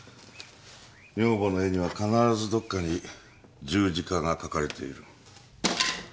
女房の絵には必ずどっかに十字架が描かれている。